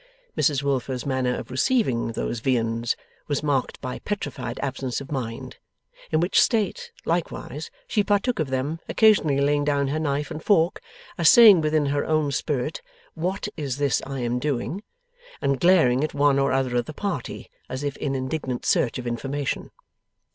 Mrs Wilfer's manner of receiving those viands was marked by petrified absence of mind; in which state, likewise, she partook of them, occasionally laying down her knife and fork, as saying within her own spirit, 'What is this I am doing?' and glaring at one or other of the party, as if in indignant search of information.